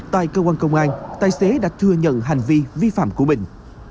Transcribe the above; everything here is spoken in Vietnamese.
tại cơ quan công an tài xế đã thừa nhận hành vi vi phạm của mình